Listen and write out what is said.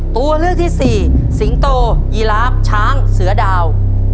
ตัวเลือกที่สี่สิงโตยีลาฟช้างเสือดาว